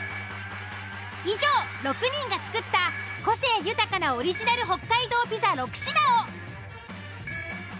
以上６人が作った個性豊かなオリジナル北海道ピザ６品を。